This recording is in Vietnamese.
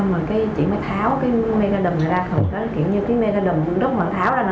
xong rồi chị mới tháo cái me đầm này ra kiểu như cái me đầm rút mặt tháo ra